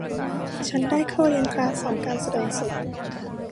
ฉันได้เข้าเรียนคลาสสอนการแสดงสด